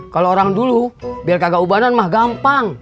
kalau orang dulu biar kagak ubanan mah gampang